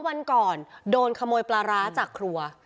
วันก่อนโดนขโมยปลาร้าจากครัว